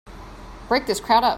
Break this crowd up!